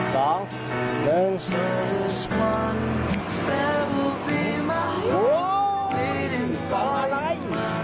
กลับมาเลย